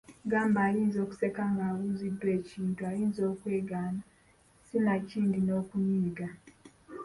Gamba ayinza okuseka ng’abuuziddwa ekintu, ayinza okwekanga, sinakindi n’okunyiiga.